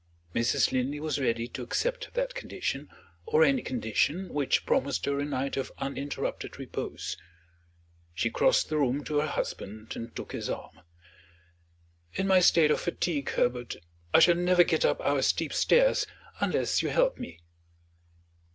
Mrs. Linley was ready to accept that condition, or any condition, which promised her a night of uninterrupted repose. She crossed the room to her husband, and took his arm. "In my state of fatigue, Herbert, I shall never get up our steep stairs, unless you help me."